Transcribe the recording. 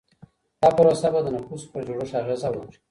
دا پروسه به د نفوسو پر جوړښت اغېزه وکړي.